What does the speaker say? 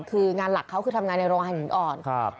คืองานหลักเขาคือทำงานในโรงงานหินอ่อน